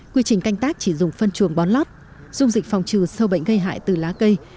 quy trình canh tác chỉ dùng phân chuồng bón lót dung dịch phòng trừ sâu bệnh gây hại từ lá cây